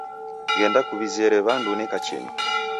Ghenda kuw'izere w'andu neka chienyi